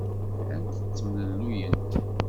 Llant ttemlelluyent.